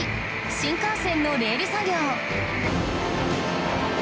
新幹線のレール作業